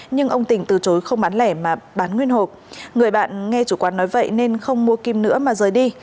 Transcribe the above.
nhưng ông tình từ chối không bán lẻ mà bán nguyên hộp người bạn nghe chủ quán nói vậy nên không mua kim nữa mà rời đi